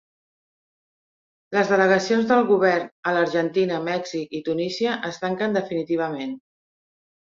Les delegacions del govern a l'Argentina, Mèxic i Tunísia es tanquen definitivament